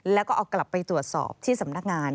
แล้วก็เอากลับไปตรวจสอบที่สำนักงาน